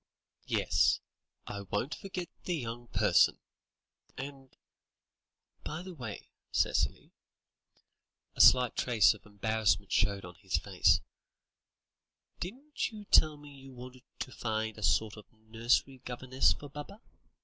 "Yes; I won't forget the 'young person' and by the way, Cicely," a slight trace of embarrassment showed on his face, "didn't you tell me you wanted to find a sort of nursery governess for Baba?"